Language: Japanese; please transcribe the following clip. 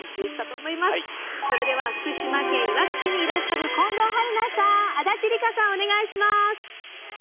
それでは福島県いわき市にいらっしゃる近藤春菜さん、足立梨花さんお願いします！